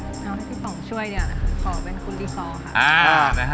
ทำให้พี่ป๋องช่วยเนี่ยขอเป็นคนดีฟอร์ค่ะ